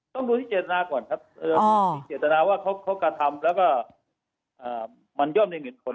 ต้องดูที่เจตนาก่อนครับมีเจตนาว่าเขากระทำแล้วก็มันย่อมได้เงินคน